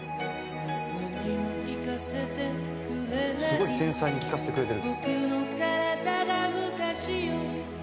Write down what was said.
「すごい繊細に聴かせてくれてる」